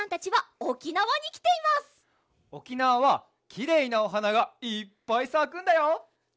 おきなわはきれいなおはながいっぱいさくんだよ！